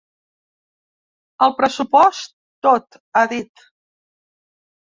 El pressupost, tot, ha dit.